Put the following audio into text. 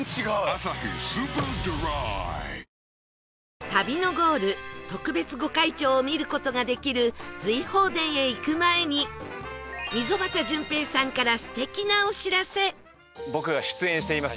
「アサヒスーパードライ」旅のゴール特別御開帳を見る事ができる瑞鳳殿へ行く前に溝端淳平さんから僕が出演しています